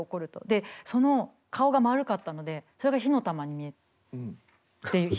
でその顔が丸かったのでそれが火の玉に見えるっていう。